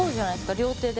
両手で。